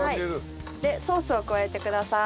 でソースを加えてください。